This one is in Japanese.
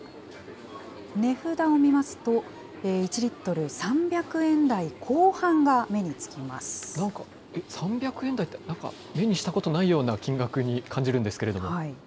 値札を見ますと、１リットル３０なんか、３００円台って、目にしたことないような金額に感じるんですけど。